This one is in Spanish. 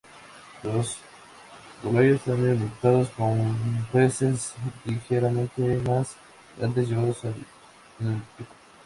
Los polluelos son alimentados con peces ligeramente más grandes llevados en el pico.